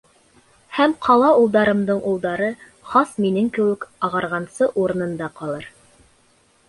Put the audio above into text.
Һәм ҡала улдарымдың улдары, хас минең кеүек ағарғансы, урынында ҡалыр.